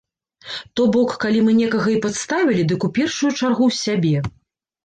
То бок, калі мы некага і падставілі, дык у першую чаргу сябе!